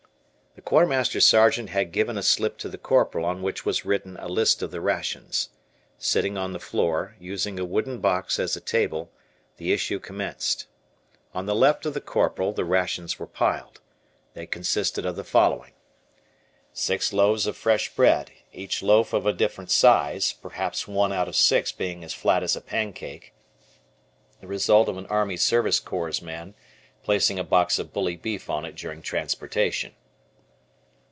The Quartermaster Sergeant had given a slip to the Corporal on which was written a list of the rations. Sitting on the floor, using a wooden box as a table, the issue commenced. On the left of the Corporal the rations were piled. They consisted of the following: Six loaves of fresh bread, each loaf of a different size, perhaps one out of the six being as flat as a pancake, the result of an Army Service Corps man placing a box of bully beef on it during transportation.